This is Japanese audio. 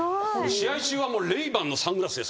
試合中はレイバンのサングラスですから。